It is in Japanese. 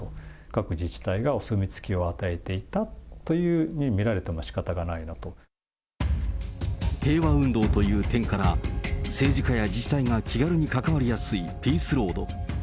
各自治体がお墨付きを与えていたというふうに見られていてもしか平和運動という点から、政治家や自治体が気軽に関わりやすいピースロード。